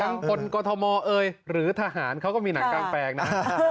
คือทางปนกฐมอเอยหรือทหารเขาก็มีหนังกลางแปลงนะ